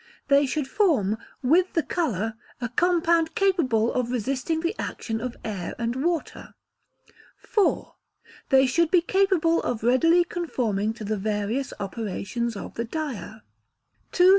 They should form, with the colour, a compound capable of resisting the action of air and water. iv. They should be capable of readily conforming to the various operations of the dyer. 2684.